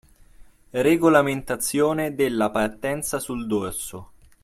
Regolamentazione della partenza sul dorso